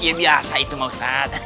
iya biasa itu ma ustadz